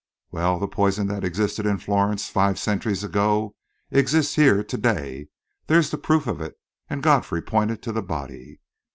"Well, the poison that existed in Florence five centuries ago, exists here to day. There's the proof of it," and Godfrey pointed to the body.